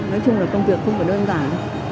nói chung là công việc không phải đơn giản